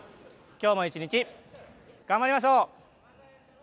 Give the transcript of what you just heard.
今日も一日、頑張りましょう。